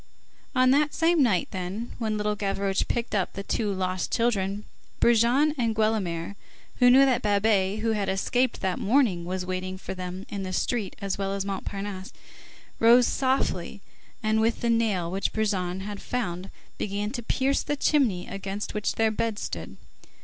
On that same night, then, when Little Gavroche picked up the two lost children, Brujon and Guelemer, who knew that Babet, who had escaped that morning, was waiting for them in the street as well as Montparnasse, rose softly, and with the nail which Brujon had found, began to pierce the chimney against which their beds stood.